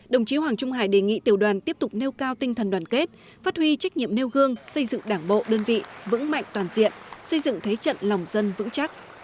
đồng chí hoàng trung hải đề nghị tiểu đoàn tiếp tục nêu cao tinh thần đoàn kết phát huy trách nhiệm nêu gương xây dựng đảng bộ đơn vị vững mạnh toàn diện xây dựng thế trận lòng dân vững chắc